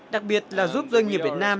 đặc biệt là giúp doanh nghiệp việt nam